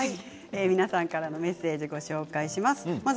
皆さんからのメッセージをご紹介します。